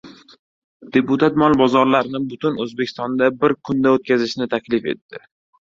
Deputat mol bozorlarini butun O‘zbekistonda bir kunda o‘tkazishni taklif etdi